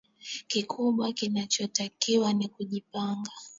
kikubwa kinachotakiwa ni kujipanga